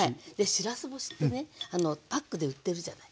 しらす干しってねパックで売ってるじゃない。